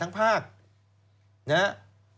ท่านภาคต่าง